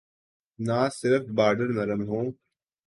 نہ صرف بارڈر نرم ہوں۔